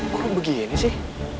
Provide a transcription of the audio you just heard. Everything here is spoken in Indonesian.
kok begini sih